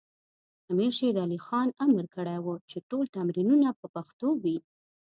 امیر شیر علی خان امر کړی و چې ټول تمرینونه په پښتو وي.